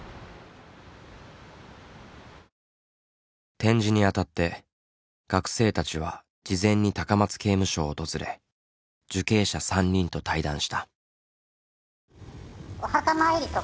展示に当たって学生たちは事前に高松刑務所を訪れ受刑者３人と対談した。